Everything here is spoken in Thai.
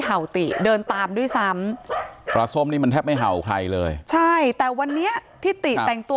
เห่าติเดินตามด้วยซ้ำปลาส้มนี่มันแทบไม่เห่าใครเลยใช่แต่วันนี้ที่ติแต่งตัว